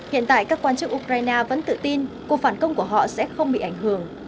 hiện tại các quan chức ukraine vẫn tự tin cuộc phản công của họ sẽ không bị ảnh hưởng